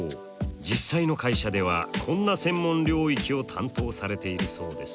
実際の会社ではこんな専門領域を担当されているそうです。